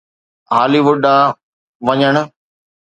هالي wood ڏانهن وڃڻ